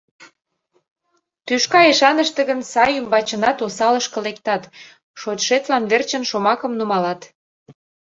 Тӱшка ешаныште гын сай ӱмбачынат осалышке лектат, шочшетлан верчын шомакым нумалат.